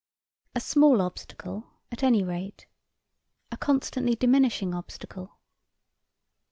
A small obstacle, at any rate, a constantly diminishing obstacle.